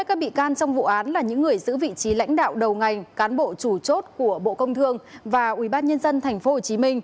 trong vụ án là những người giữ vị trí lãnh đạo đầu ngành cán bộ chủ chốt của bộ công thương và ubnd tp hcm